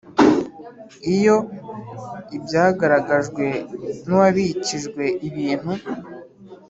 Iyo ibyagaragajwe n uwabikijwe ibintu